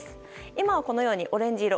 今は、このようにオレンジ色。